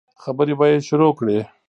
خبرې به يې شروع کړې.